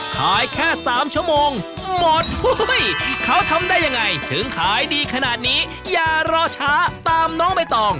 แค่๓ชั่วโมงหมดเขาทำได้ยังไงถึงขายดีขนาดนี้อย่ารอช้าตามน้องใบตอง